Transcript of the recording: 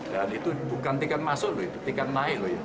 dan itu bukan tiket masuk lho itu tiket naik lho